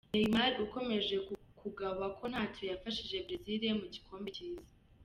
Neymar ukomeje kugawa ko ntacyo yafashije Brazil mugikombe cy’isi.